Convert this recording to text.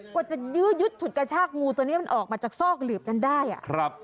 กว่าจะยื้อยุดฉุดกระชากงูตัวนี้มันออกมาจากซอกหลืบนั้นได้อ่ะครับ